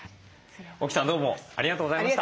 沖さんどうもありがとうございました。